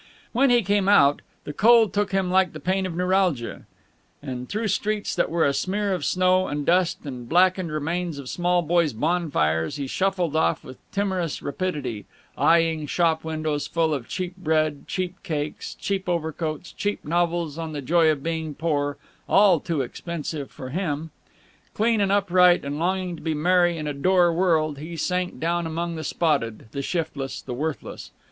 When he came out, the cold took him like the pain of neuralgia, and through streets that were a smear of snow and dust and blackened remains of small boys' bonfires he shuffled off with timorous rapidity, eying shop windows full of cheap bread, cheap cakes, cheap overcoats, cheap novels on the joy of being poor, all too expensive for him. Clean and upright and longing to be merry in a dour world, he sank down among the spotted, the shiftless, the worthless.